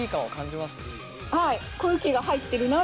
はい。